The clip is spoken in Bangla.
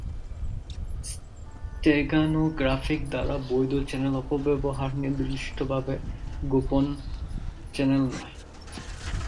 স্টেগানোগ্রাফি দ্বারা বৈধ চ্যানেল অপব্যবহার নির্দিষ্টভাবে গোপন চ্যানেল নয়।